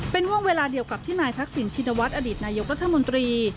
เป็นห่วงเวลาเดียวกับที่นายทักศิลป์ชินวัสดิ์อดิษฐ์นายกรรธมนตรี